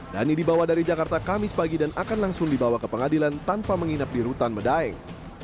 dhani dibawa dari jakarta kamis pagi dan akan langsung dibawa ke pengadilan tanpa menginap di rutan medaeng